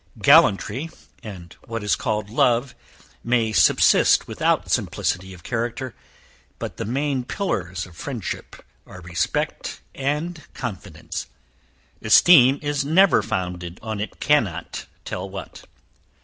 Gallantry, and what is called love, may subsist without simplicity of character; but the main pillars of friendship, are respect and confidence esteem is never founded on it cannot tell what.